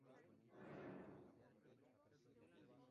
Ante ello, el congreso debía decidir entre los tres primeros candidatos.